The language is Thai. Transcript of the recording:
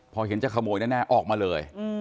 พอเห็นจะขโมยแน่ออกมาเลย